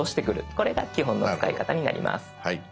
これが基本の使い方になります。